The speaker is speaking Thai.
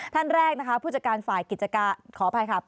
ท่านแรกนะคะผู้จัดการฝ่ายกิจการขออภัยค่ะ